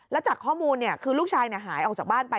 แล้วจากข้อมูลคือลูกชายหายออกจากบ้านไป